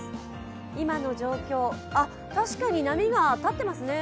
今の状況、あっ、確かに波が立っていますね。